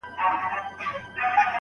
آیا اورېدل تر ویلو ګټور دي؟